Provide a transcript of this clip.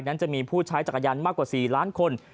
นั้นจะมีผู้ใช้จักรยานมากกว่า๔ล้านคน